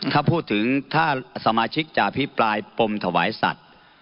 ถ้าพูดถึงถ้าสมาชิกจะอภิปรายปมถวายสัตว์